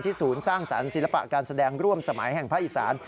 ศูนย์สร้างสรรค์ศิลปะการแสดงร่วมสมัยแห่งภาคอีสาน